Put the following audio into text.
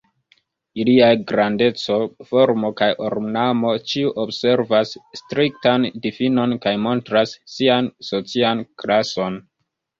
Iliaj grandeco, formo kaj ornamo ĉiu observas striktan difinon kaj montras sian socian klason.